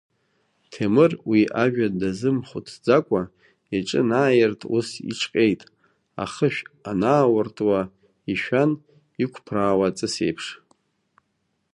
Ҭемыр уи ажәа дазымхәыцӡакәа, иҿы анааирт ус иҿҟьеит, ахышә анаауртуа ишәан иқәԥраауа аҵыс еиԥш.